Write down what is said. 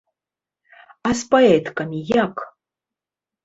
А з паэткамі як?